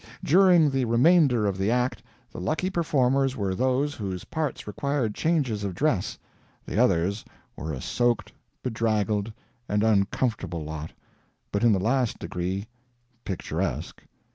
During the remainder of the act the lucky performers were those whose parts required changes of dress; the others were a soaked, bedraggled, and uncomfortable lot, but in the last degree picturesque.